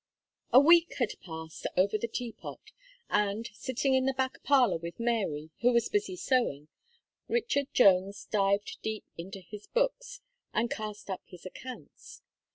A week had passed over the Teapot, and, sitting in the back parlour with Mary, who was busy sewing, Richard Jones dived deep into his books, and cast up his accounts.